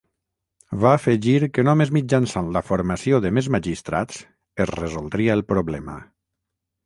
Va afegir que només mitjançant la formació de més magistrats es resoldria el problema.